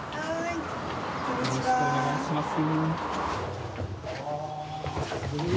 よろしくお願いします。